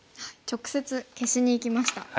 直接消しにいきました。